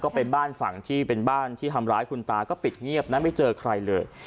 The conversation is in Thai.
ไปบ้านฝั่งที่เป็นบ้านที่ทำร้ายคุณตาก็ปิดเงียบนะไม่เจอใครเลย